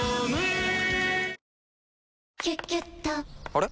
あれ？